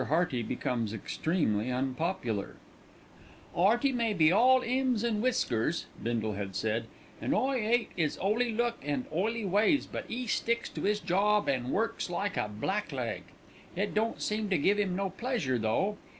HEARTY BECOMES EXTREMELY UNPOPULAR "'Earty may be all 'ymns an' whiskers," Bindle had said, "an' I 'ate 'is 'oly look an' oily ways; but 'e sticks to his job an' works like a blackleg. It don't seem to give 'im no pleasure though.